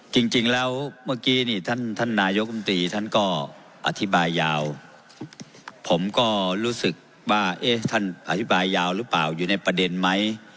จริงแล้วเมื่อกี้นี่ท่านท่านนายกรรมตรีท่านก็อธิบายยาวผมก็รู้สึกว่าเอ๊ะท่านอธิบายยาวหรือเปล่าอยู่ในประเด็นไหม